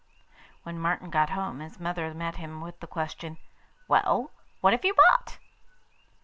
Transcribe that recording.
When Martin got home, his mother met him with the question: 'Well, what have you bought?